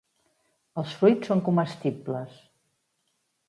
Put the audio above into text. Els fruits són comestibles.